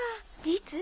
いつ？